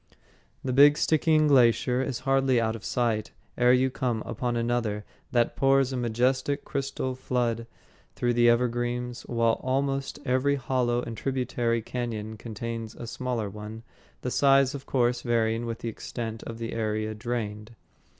The big Stickeen Glacier is hardly out of sight ere you come upon another that pours a majestic crystal flood through the evergreens, while almost every hollow and tributary cañon contains a smaller one, the size, of course, varying with the extent of the area drained.